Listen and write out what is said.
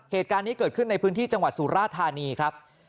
เหตุการณ์นี้เกิดขึ้นในพื้นที่จังหวัดสุราธานีครับ